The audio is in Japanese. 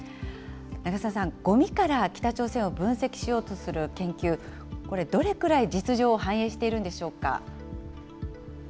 長砂さん、ごみから北朝鮮を分析しようとする研究、これ、どれくらい実情を反映しているんでしょうか。